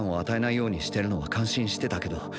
与えないようにしてるのは感心してたけど